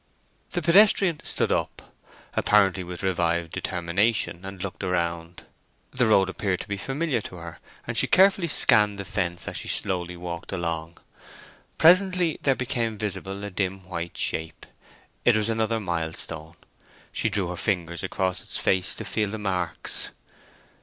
The pedestrian stood up, apparently with revived determination, and looked around. The road appeared to be familiar to her, and she carefully scanned the fence as she slowly walked along. Presently there became visible a dim white shape; it was another milestone. She drew her fingers across its face to feel the marks.